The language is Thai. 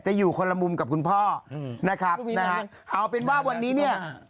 อยู่คนละมุมกับคุณพ่อนะครับนะฮะเอาเป็นว่าวันนี้เนี่ย